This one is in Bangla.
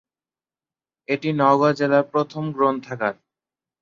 এটি নওগাঁ জেলার প্রথম গ্রন্থাগার।